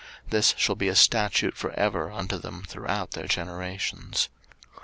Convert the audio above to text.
This shall be a statute for ever unto them throughout their generations.